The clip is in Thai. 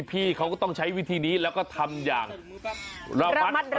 พี่เขาก็ต้องใช้วิธีนี้แล้วก็ทำอย่างระมัดระวัง